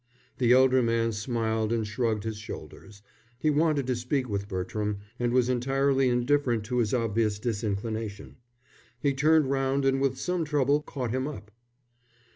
The elder man smiled and shrugged his shoulders. He wanted to speak with Bertram, and was entirely indifferent to his obvious disinclination. He turned round and with some trouble caught him up.